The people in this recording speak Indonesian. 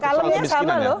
kalemnya sama loh